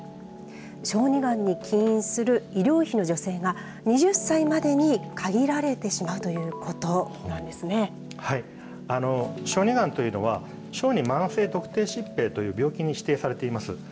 小児がんに起因する医療費の助成が、２０歳までに限られてしまう小児がんというのは、小児慢性特定疾病という病気に指定されています。